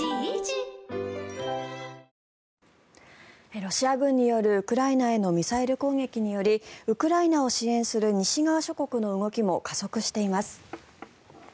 ロシア軍によるウクライナへのミサイル攻撃によりウクライナを支援する西側諸国の動きも加速しています。